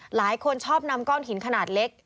หลายคนชอบนำก้อนหินขนาดเล็ก